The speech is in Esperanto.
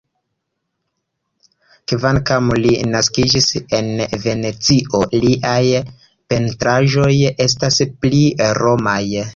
Kvankam li naskiĝis en Venecio, liaj pentraĵoj estas pli romaj.